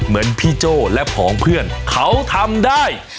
เหมือนพี่โจ้และผองเพื่อนเขาทำได้